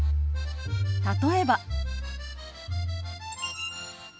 例えば。